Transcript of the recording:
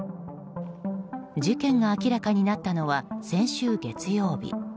事件が明らかになったのは先週月曜日。